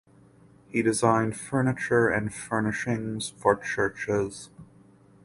He designed furniture and furnishings for churches.